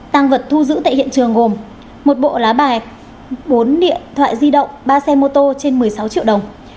tăng vật thu giữ tại hiện trường gồm một bộ lá bài bốn điện thoại di động ba xe mô tô trên một mươi sáu triệu đồng